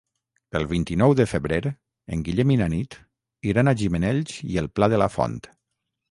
El vint-i-nou de febrer en Guillem i na Nit iran a Gimenells i el Pla de la Font.